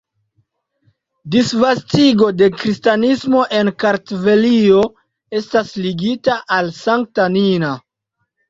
Disvastigo de kristanismo en Kartvelio estas ligita al Sankta Nina.